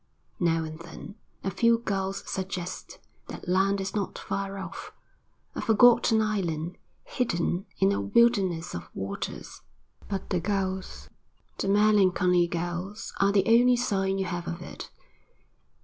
Now and then a few gulls suggest that land is not far off, a forgotten island hidden in a wilderness of waters; but the gulls, the melancholy gulls, are the only sign you have of it.